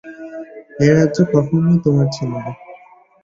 এ রাজ্য কখনোই তোমার ছিল না।